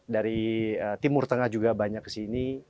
dari timur tengah juga banyak kesini